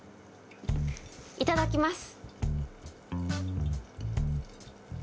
いただきます。